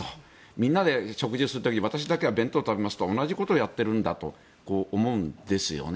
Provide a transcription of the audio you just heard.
みんなで食事する時に私だけは弁当を食べますというのと同じことをやっているんだと思うんですよね。